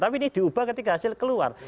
tapi ini diubah ketika hasil keluar